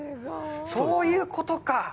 そういうことか！